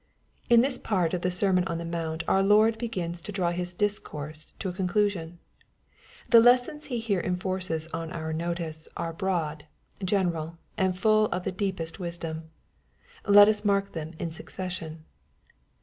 Ik this part of the sermon on the mount our Lord begins to draw His discourse to a conclusion. The lessons He here enforces on our notice, are broad, general, and full of the deepest wisdom. Let us mark them in succession.